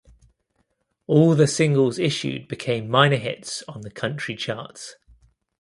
All the singles issued became minor hits on the country charts.